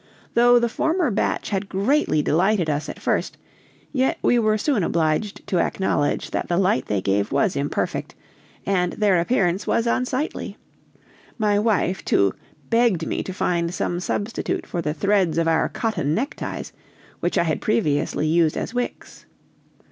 Though the former batch had greatly delighted us at first, yet we were soon obliged to acknowledge that the light they gave was imperfect, and their appearance was unsightly; my wife, too, begged me to find some substitute for the threads of our cotton neckties, which I had previously used as wicks.